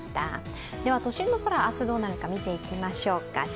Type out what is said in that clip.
都心の空、明日どうなるか見ていきましょうか。